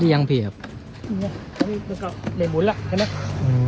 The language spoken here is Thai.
เนี่ยมันก็เหนื่อยหมุนล่ะใช่ไหม